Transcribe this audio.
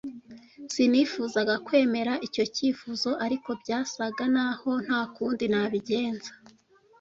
Sinifuzaga kwemera icyo cyifuzo, ariko byasaga naho nta kundi nabigenza.